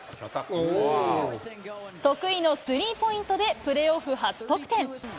得意のスリーポイントでプレーオフ初得点。